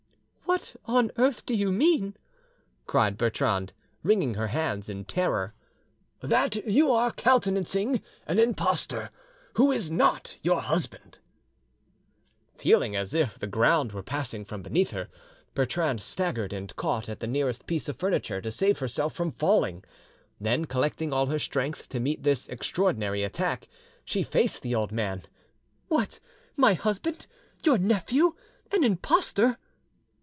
"What on earth do you mean?" cried Bertrande, wringing her hands in terror. "That you are countenancing an impostor who is not your husband." Feeling as if the ground were passing from beneath her, Bertrande staggered, and caught at the nearest piece of furniture to save herself from falling; then, collecting all her strength to meet this extraordinary attack, she faced the old man. "What! my husband, your nephew, an impostor!"